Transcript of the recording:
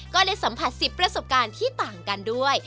ก็ได้สัมผัส๑๐ประสบการณ์ที่ต่างกันด้วย